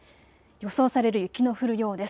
予想される雪の降る量です。